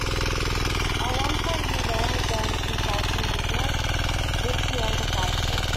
At one point he ran his own consulting business, Vixie Enterprises.